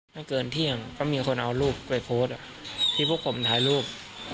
ไม่เกินเที่ยงก็มีคนเอารูปไปโพสต์ที่พวกผมถ่ายรูป